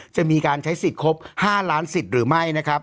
จะมีการใช้สิทธิ์ครบ๕ล้านสิทธิ์หรือไม่นะครับ